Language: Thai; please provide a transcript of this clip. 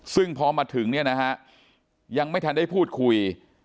ซึ่งพอมาถึงเนี่ยนะฮะยังไม่ทันได้พูดคุย